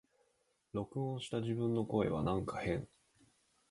録音した自分の声はなんか変